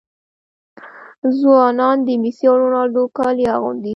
ځوانان د میسي او رونالډو کالي اغوندي.